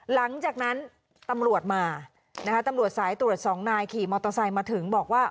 หลังจากนั้นตำรวจมานะคะตำรวจสายตรวจสองนายขี่มอเตอร์ไซค์มาถึงบอกว่า